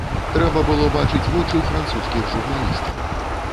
Трэба было бачыць вочы французскіх журналістаў.